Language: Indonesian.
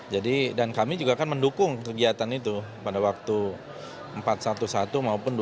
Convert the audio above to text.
jadi dan kami juga akan mendukung kegiatan itu pada waktu empat satu satu maupun dua satu dua